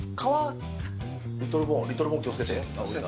リトルボーン気をつけて。